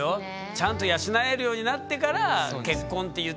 ちゃんと養えるようになってから結婚って言ってこいよって。